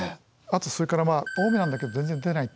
あとそれから大雨なんだけど全然出ない。